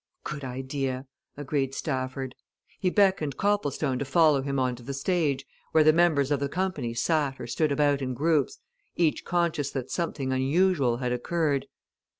"Good idea!" agreed Stafford. He beckoned Copplestone to follow him on to the stage, where the members of the company sat or stood about in groups, each conscious that something unusual had occurred.